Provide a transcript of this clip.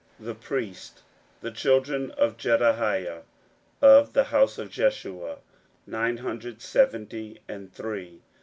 16:007:039 The priests: the children of Jedaiah, of the house of Jeshua, nine hundred seventy and three.